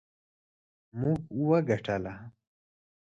موږ وګټله